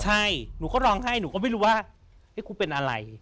ใช่หนูก็ร้องไห้หนูก็ไม่รู้ว่าครูเป็นอะไร